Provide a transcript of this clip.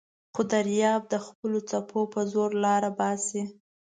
خو دریاب د خپلو څپو په زور لاره باسي.